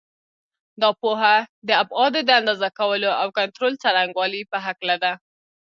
دا پوهه د ابعادو د اندازه کولو او کنټرول څرنګوالي په هکله ده.